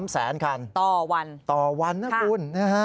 ๓แสนคันต่อวันนะคุณนะฮะตีกว่าเปลี่ยน